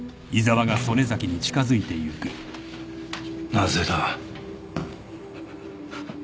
・なぜだ？